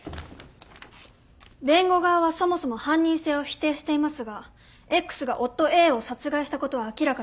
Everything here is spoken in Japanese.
弁護側はそもそも犯人性を否定していますがＸが夫Ａを殺害したことは明らかです。